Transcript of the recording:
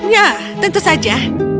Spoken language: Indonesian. ya tentu saja